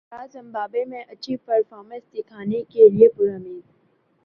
سرفرازدورہ Zimbabwe میں اچھی performance دکھانے کیلئے پر امید